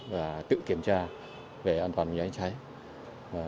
và tự kiểm tra về an toàn phòng cháy cháy